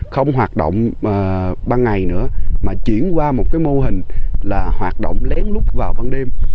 không hoạt động ban ngày nữa mà chuyển qua một cái mô hình là hoạt động lén lút vào ban đêm